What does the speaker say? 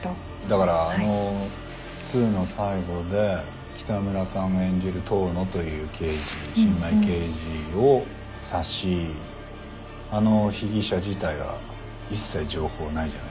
だから『Ⅱ』の最後で北村さん演じる遠野という新米刑事を刺しあの被疑者自体は一切情報ないじゃないですか。